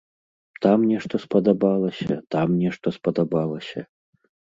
Там нешта спадабалася, там нешта спадабалася.